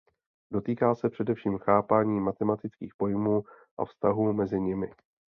Dotýká se především chápání matematických pojmů a vztahů mezi nimi.